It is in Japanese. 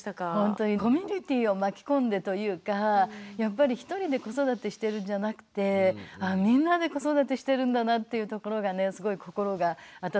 コミュニティーを巻き込んでというかやっぱり１人で子育てしてるんじゃなくてみんなで子育てしてるんだなっていうところがねすごい心が温まりましたし